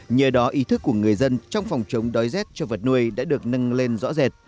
nhờ đó ý thức của người dân trong phòng chống đói rét cho vật nuôi đã được nâng lên rõ rệt